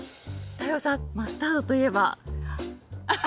太陽さんマスタードといえば。